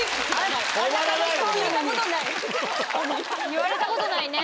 言われたことないね。